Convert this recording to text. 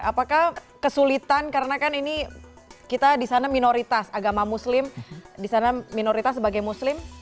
apakah kesulitan karena kan ini kita di sana minoritas agama muslim di sana minoritas sebagai muslim